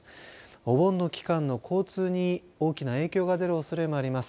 お盆の期間の交通に大きな影響が出るおそれがあります。